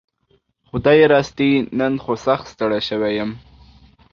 خدايي راستي نن خو سخت ستړى شوي يم